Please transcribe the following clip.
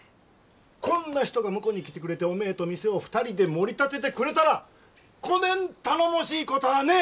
こんな人が婿に来てくれておめえと店を２人でもり立ててくれたらこねん頼もしいこたあねえ！